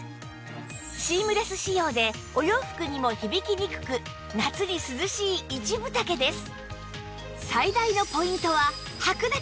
シームレス仕様でお洋服にも響きにくく夏に涼しい一分丈です